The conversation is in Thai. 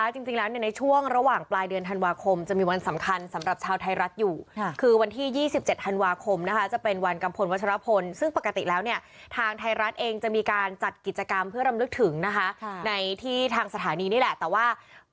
จริงแล้วในช่วงระหว่างปลายเดือนธันวาคมจะมีวันสำคัญสำหรับชาวไทยรัฐอยู่คือวันที่๒๗ธันวาคมนะคะจะเป็นวันกัมพลวัชรพลซึ่งปกติแล้วเนี่ยทางไทยรัฐเองจะมีการจัดกิจกรรมเพื่อรำลึกถึงนะคะในที่ทางสถานีนี่แหละแต่ว่า